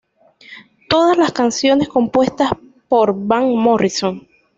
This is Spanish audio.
Todas las canciones compuestas por Van Morrison.